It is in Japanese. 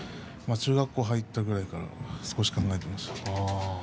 中学校入ってぐらいから少し考えていました。